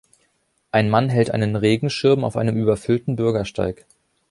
Ein Mann hält einen Regenschirm auf einem überfüllten Bürgersteig.